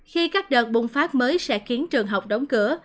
khi các đợt bùng phát mới sẽ khiến trường học đóng cửa